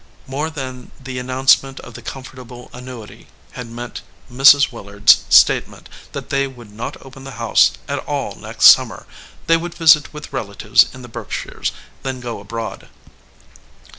More than the announcement of the comfortable annuity had 151 EDGEWATER PEOPLE meant Mrs. Willard s statement that they would not open the House at all next summer ; they would visit with relatives in the Berkshires, then go abroad.